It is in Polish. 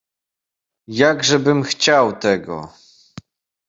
"Jakżebym chciał tego!"